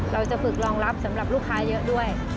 เราจะฝึกรองรับสำหรับลูกค้าเยอะด้วย